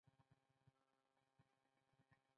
ایا زه باید سیل ته لاړ شم؟